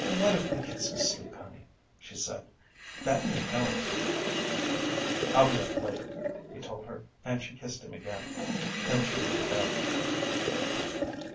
"Why don't we get some sleep, honey," she said. "That may help." "I'll be up later," he told her and she kissed him again. Then she went to bed.